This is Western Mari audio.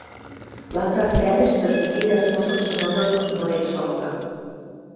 Лапрак вӓрӹштӹ кугилӓ шошымшы мырыжым мырен шалга.